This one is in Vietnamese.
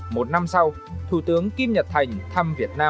một năm sau thủ tướng kim nhật thành thăm việt nam